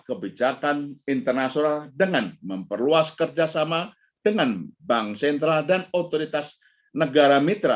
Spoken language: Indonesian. kebijakan internasional dengan memperluas kerjasama dengan bank sentral dan otoritas negara mitra